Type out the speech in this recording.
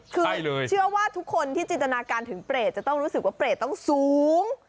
คือเชื่อว่าทุกคนที่จินตนาการถึงเปรตจะต้องรู้สึกว่าเปรตต้องสูง